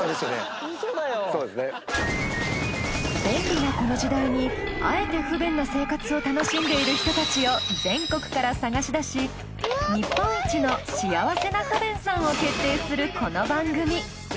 便利なこの時代にあえて不便な生活を楽しんでいる人たちを全国から探し出し日本一の幸せな不便さんを決定するこの番組。